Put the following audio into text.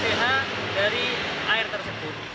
dan sehat dari air tersebut